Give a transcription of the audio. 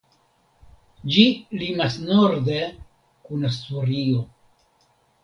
Ĝi limas norde kun Asturio.